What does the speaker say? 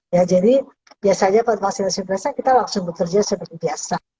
ya jadi biasanya pada vaksinasi kita langsung bekerja seperti biasa